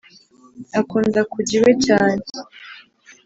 akunda kujya iwe cyane